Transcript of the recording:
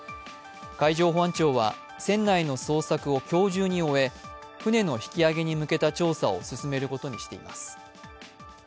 海上保安庁は船内の捜索を今日中に終え船の引き揚げに向けた調査を進めることにしています。